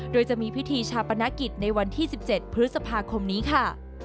โดยจะมีพิธีชาปนกิจในวันที่๑๗พฤษภาคมนี้ค่ะ